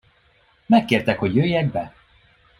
Megkértek, hogy jöjjek be.